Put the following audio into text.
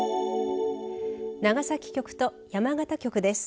長崎局と山形局です。